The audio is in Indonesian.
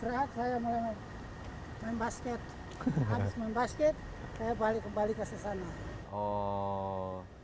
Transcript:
habis jari box baru saya di trail